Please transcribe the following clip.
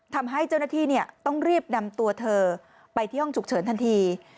ทำให้เจ้าหน้าที่ต้องรีบนำตัวเธอไปที่ห้องฉุกเฉินทันที